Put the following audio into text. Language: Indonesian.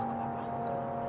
selamat mengalahi kamu